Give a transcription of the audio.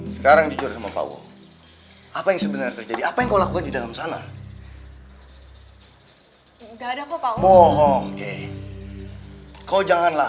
sampai jumpa di video selanjutnya